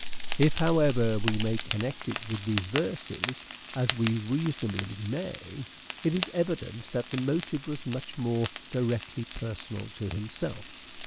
If, however, we may connect it with these verses, as we reasonably may, it is evident that the motive was much more directly personal to himself.